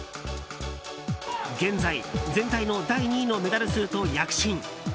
現在、全体の第２位のメダル数と躍進。